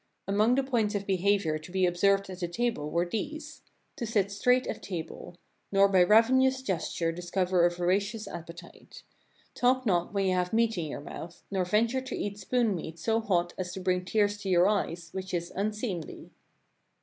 Among the points of behavior to be observed at the table were these: "To sit straight at table. Nor by ravenous gesture discover a voracious appetite. Talk not when you have meat in your mouth, nor venture to eat spoon meat so hot as to bring tears to your eyes, which is unseemly."